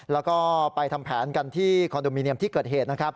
แล้วก็ไปทำแผนกันที่คอนโดมิเนียมที่เกิดเหตุนะครับ